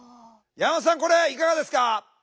山本さんこれいかがですか？